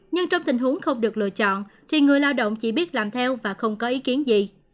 nhưng trong tình huống không được lựa chọn thì người lao động chỉ biết làm theo và không có ý kiến gì